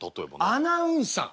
アナウンサー。